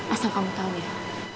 asal kamu tau ya